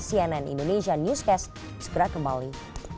cnn indonesia newscast segera kembali